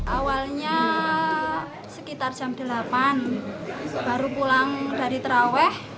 awalnya sekitar jam delapan baru pulang dari terawih